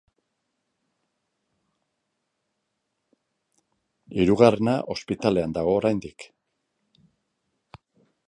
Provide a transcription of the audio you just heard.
Hirugarrena ospitalean dago oraindik.